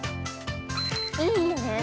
◆いいね。